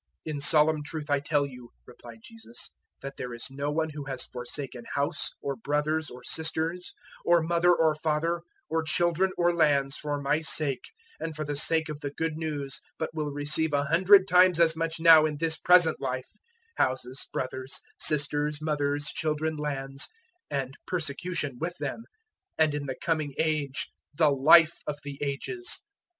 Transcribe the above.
010:029 "In solemn truth I tell you," replied Jesus, "that there is no one who has forsaken house or brothers or sisters, or mother or father, or children or lands, for my sake and for the sake of the Good News, 010:030 but will receive a hundred times as much now in this present life houses, brothers, sisters, mothers, children, lands and persecution with them and in the coming age the Life of the Ages.